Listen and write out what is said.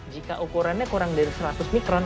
jika ukurannya kurang dari seratus mikron